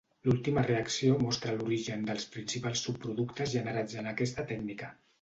L'última reacció mostra l'origen dels principals subproductes generats en aquesta tècnica.